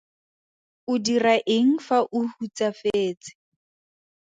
O dira eng fa o hutsafetse?